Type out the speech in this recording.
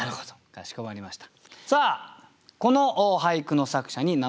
かしこまりました。